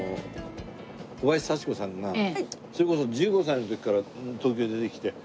小林幸子さんがそれこそ１５歳の時から東京へ出てきて。